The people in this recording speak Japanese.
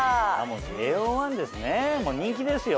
ＪＯ１ですねもう人気ですよ。